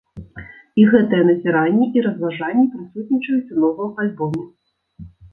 І гэтыя назіранні і разважанні прысутнічаюць у новым альбоме.